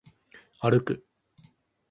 歩く